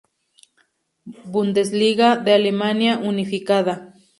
Bundesliga de Alemania unificada.